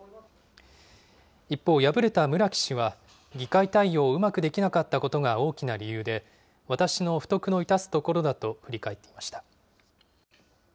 一方、敗れた村木氏は、議会対応をうまくできなかったことが大きな理由で、私の不徳の致すところだと振り返っていました。